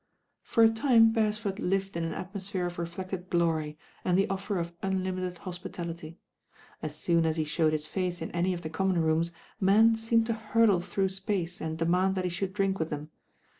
For a time Beresford lived in an atmosphere of reflected glory and the offer of unlimited hospitality As soon as he showed his face in any of the common rooms, men seemed to hurtle through space and demand that he should drink with them.